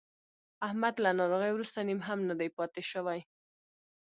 احمد له ناروغۍ ورسته نیم هم نه دی پاتې شوی.